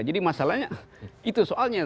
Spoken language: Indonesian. jadi masalahnya itu soalnya